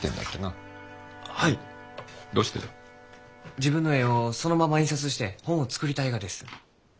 自分の絵をそのまま印刷して本を作りたいがです。